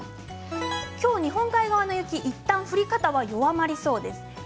今日、日本海側の雪、いったん降り方は弱まりそうです。